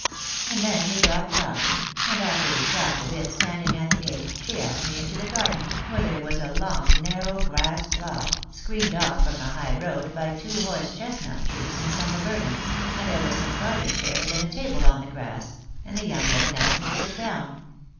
And then we got talking, and after we'd talked a bit standing at the gate, she asked me into the garden, where there was a long narrow grass plot, screened off from the high road by two horse chestnut trees and some laburnums, and there was some garden chairs and a table on the grass, and the young woman asked me to sit down.